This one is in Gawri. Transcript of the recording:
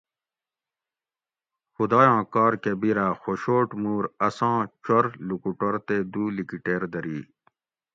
خدایاں کار کہ بِیراۤ خوشوٹ مور اساں چور لوکوٹور تے دو لِکیٹیر دری